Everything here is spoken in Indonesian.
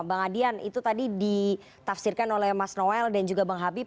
bang adian itu tadi ditafsirkan oleh mas noel dan juga bang habib